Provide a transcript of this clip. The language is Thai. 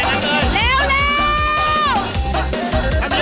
เวลาดีเล่นหน่อยเล่นหน่อย